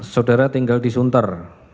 saudara tinggal di sunter